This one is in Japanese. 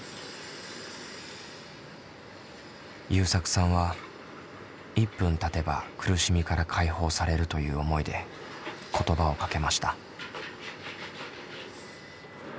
ゆうさくさんは１分たてば苦しみから解放されるという思いで言葉をかけました。